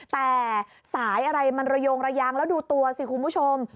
แต่สายอะไรมันระโยงระยางแล้วดูตัวสิคุณผู้ชม